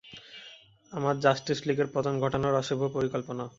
আমার জাস্টিস লীগের পতন ঘটানোর অশুভ পরিকল্পনা।